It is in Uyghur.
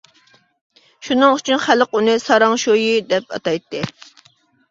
شۇنىڭ ئۈچۈن، خەلق ئۇنى «ساراڭ شويى» دەپ ئاتايتتى.